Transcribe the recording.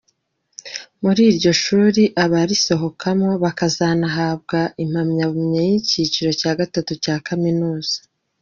Muri ryo shuri abarisohokamo bakazanahabwa impamyabumenyi y’icyiciro cya gatatu cya kaminuza.